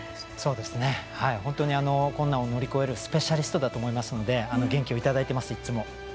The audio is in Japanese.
本当に困難を乗り越えるスペシャリストだと思うので元気をいただいています、いつも。